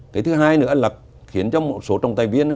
cái thứ hai nữa là khiến cho một số trọng tài viên